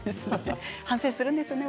反省はするんですよね